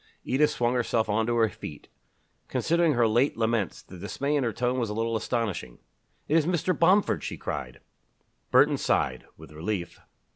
Edith swung herself on to her feet. Considering her late laments, the dismay in her tone was a little astonishing. "It is Mr. Bomford!" she cried. Burton sighed with relief.